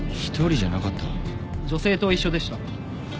女性と一緒でした。